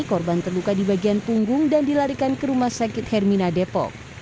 korban terluka di bagian punggung dan dilarikan ke rumah sakit hermina depok